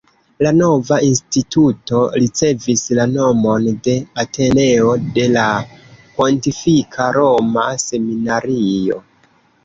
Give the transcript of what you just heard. La nova Instituto ricevis la nomon de “Ateneo de la Pontifika Roma Seminario”.